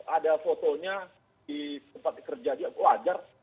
ada fotonya di tempat kerja juga wajar